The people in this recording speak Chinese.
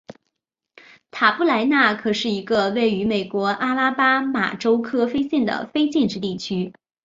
塔布莱纳可是一个位于美国阿拉巴马州科菲县的非建制地区。